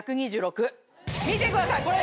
見てくださいこれ。